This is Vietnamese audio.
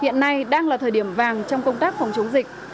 hiện nay đang là thời điểm vàng trong công tác phòng chống dịch